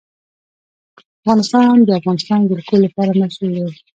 افغانستان د د افغانستان جلکو لپاره مشهور دی.